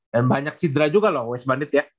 dan banyak sidra juga loh wes banit ya